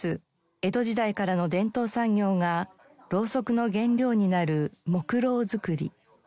江戸時代からの伝統産業がろうそくの原料になる木ろう作り。